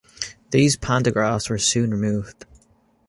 These pantographs were soon removed.